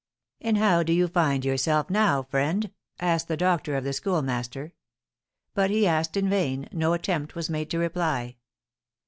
"And how do you find yourself now, friend?" asked the doctor of the Schoolmaster; but he asked in vain, no attempt was made to reply.